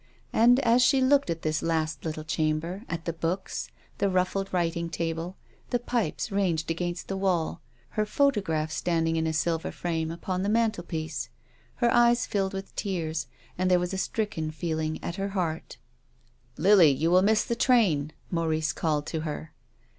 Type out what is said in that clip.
And as she looked at this last little chamber, at the books, the ruffled writing table, the pipes ranged against the wall, her photograph .standing in a silver frame upon the mantelpiece, her eyes filled with tears, and there was a stricken feeling at her heart. 246 TONGUES OF CONSCIENCE. " Lily, you \\ ill miss the train," Maurice called to her.